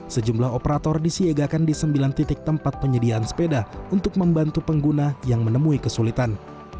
sejumlah operator disiagakan di sembilan titik tempat penyediaan sepeda untuk membantu pengguna yang menemui kesulitan